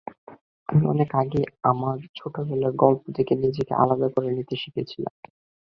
আমি অনেক আগেই আমার ছোটবেলার গল্প থেকে নিজেকে আলাদা করে নিতে শিখেছিলাম।